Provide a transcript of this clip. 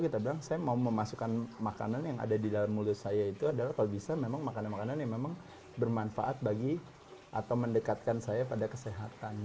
kita bilang saya mau memasukkan makanan yang ada di dalam mulut saya itu adalah kalau bisa memang makanan makanan yang memang bermanfaat bagi atau mendekatkan saya pada kesehatan